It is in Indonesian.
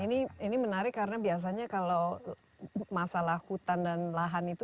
dan ini menarik karena biasanya kalau masalah hutan dan lahan itu